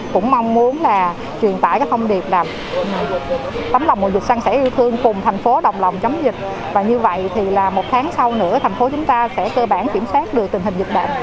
cũng mong muốn là truyền tải cái thông điệp là tấm lòng của người dân sang sẻ yêu thương cùng thành phố đồng lòng chống dịch và như vậy thì là một tháng sau nữa thành phố chúng ta sẽ cơ bản kiểm soát được tình hình dịch bệnh